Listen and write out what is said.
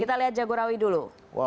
kita lihat jagorawi dulu